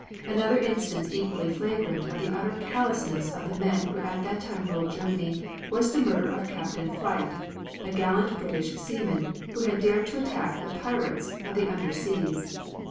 Another instance equally flagrant of the utter callousness of the men who at that time ruled Germany, was the murder of Captain Fryatt, a gallant British seaman, who had dared to attack the pirates of the under seas.